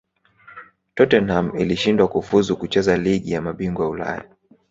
tottenham ilishindwa kufuzu kucheza ligi ya mabingwa ulaya